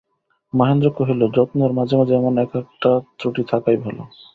মহেন্দ্র কহিল, যত্নের মাঝে মাঝে এমন এক-একটা ত্রুটি থাকাই ভালো।